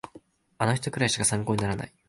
あの人くらいしか参考にならない